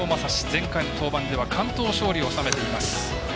前回の登板では完投勝利を収めています。